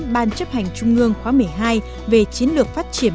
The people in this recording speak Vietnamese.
ban chấp hành trung ương khóa một mươi hai về chiến lược phát triển